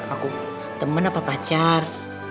aku temen apa pacar